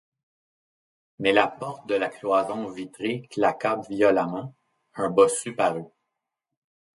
Mais la porte de la cloison vitrée claqua violemment, un bossu parut.